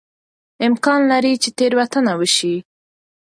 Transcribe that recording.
امکان لري چې تېروتنه وشي.